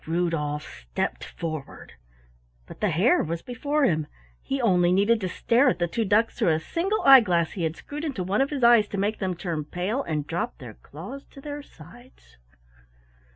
Rudolf stepped forward but the Hare was before him. He only needed to stare at the two ducks through a single eye glass he had screwed into one of his eyes to make them turn pale and drop their claws to their sides.